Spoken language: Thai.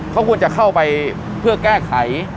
เขาควรจะเข้าไปเพื่อแก้ไข